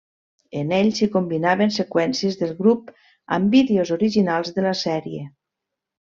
En ell s'hi combinaven seqüències del grup amb vídeos originals de la sèrie.